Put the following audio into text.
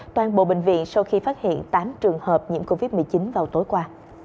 toàn bộ bệnh viện sau khi phát hiện tám trường hợp nhiễm covid một mươi chín vào tối qua